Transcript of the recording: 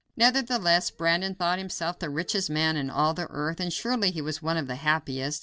Nevertheless, Brandon thought himself the richest man in all the earth, and surely he was one of the happiest.